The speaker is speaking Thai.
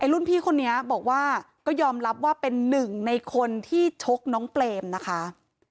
รุ่นพี่คนนี้บอกว่าก็ยอมรับว่าเป็นหนึ่งในคนที่ชกน้องเปรมนะคะ